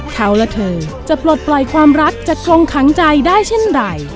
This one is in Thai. เขาและเธอจะปลดปล่อยความรักจะคงขังใจได้เช่นไร